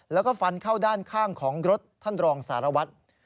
แล้วก็ฟันเข้าด้านข้างของรถท่านรองสารวัตร